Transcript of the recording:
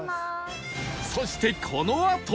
そしてこのあと